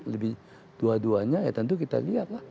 lebih dua duanya ya tentu kita lihat lah